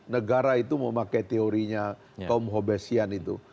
negara itu memakai teorinya kaum hobesian itu